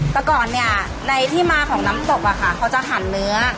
แต่ก่อนเนี่ยในที่มาของน้ำตกอะค่ะเขาจะหันเนื้อ